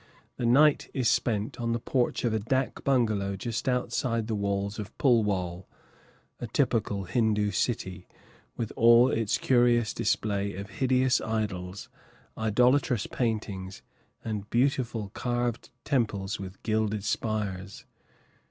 The night is spent on the porch of a dak bungalow just outside the walls of Pullwal, a typical Hindoo city, with all its curious display of hideous idols, idolatrous paintings, and beautiful carved temples with gilded spires.